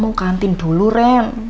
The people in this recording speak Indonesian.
mama mau kantin dulu ren